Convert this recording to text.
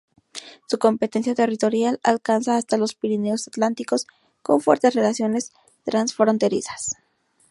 Su competencia territorial alcanza hasta los Pirineos Atlánticos con fuertes relaciones transfronterizas.